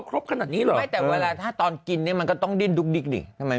ครบขนาดนี้เหรอไม่แต่เวลาถ้าตอนกินเนี่ยมันก็ต้องดิ้นดุ๊กดิ๊กดิทำไม